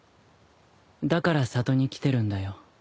だから里に来てるんだよ。